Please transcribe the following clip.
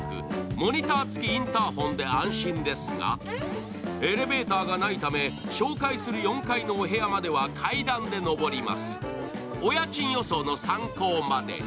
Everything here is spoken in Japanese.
モニター付きインターホンで安心ですが、エレベーターがないため紹介する４階のお部屋までは階段で上ります。